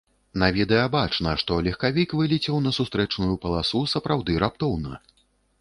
На відэа бачна, што легкавік вылецеў на сустрэчную паласу сапраўды раптоўна.